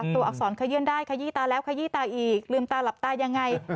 อักษรขยื่นได้ขยี้ตาแล้วขยี้ตาอีกลืมตาหลับตายังไง